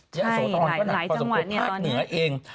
ย่าโสธรก็หนักพอสมควรภาคเหนือเอง